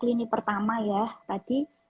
lini pertama ya tadi